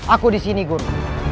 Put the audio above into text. aku di sini guru